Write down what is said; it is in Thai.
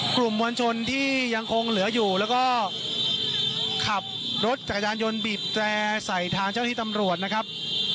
กลุ่มมวลชนที่ยังคงเหลืออยู่แล้วก็ขับรถจักรยานยนต์บีบแตรใส่ทางเจ้าที่ตำรวจนะครับ